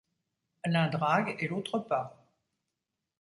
L'un drague et l'autre pas.